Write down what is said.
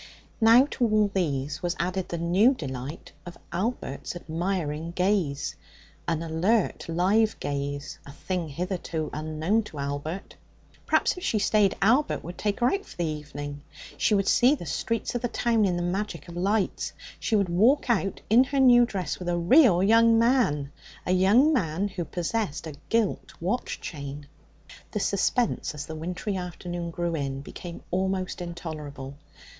Now to all these was added the new delight of Albert's admiring gaze an alert, live gaze, a thing hitherto unknown to Albert. Perhaps, if she stayed, Albert would take her out for the evening. She would see the streets of the town in the magic of lights. She would walk out in her new dress with a real young man a young man who possessed a gilt watch chain. The suspense, as the wintry afternoon drew in, became almost intolerable.